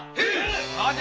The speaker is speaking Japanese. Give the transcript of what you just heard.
待て！